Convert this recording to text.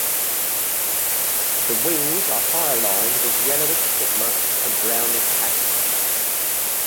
The wings are hyaline with yellowish stigma and brownish pattern.